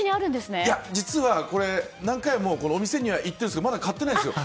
実はこれ、何回もお店には行ってるんですけどまだ買っていないんですよ。